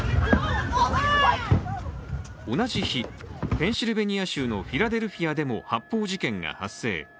同じ日、ペンシルベニア州のフィラデルフィアでも発砲事件が発生。